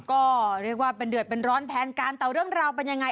ก็เรียกว่าเป็นเดือดเป็นร้อนแทนกันแต่เรื่องราวเป็นยังไง